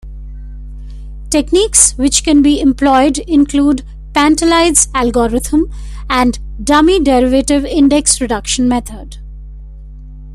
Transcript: Techniques which can be employed include "Pantelides algorithm" and "dummy derivative index reduction method".